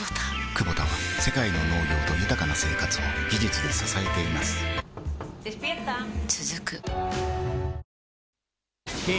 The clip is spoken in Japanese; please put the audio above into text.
クボタは世界の農業と豊かな生活を技術で支えています起きて。